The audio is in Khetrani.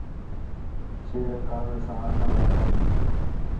چھیریک کاوِڑ ساں آکھݨ والا ہینس